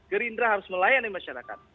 gerindra harus melayani masyarakat